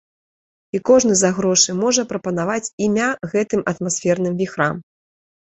І кожны за грошы можа прапанаваць імя гэтым атмасферным віхрам.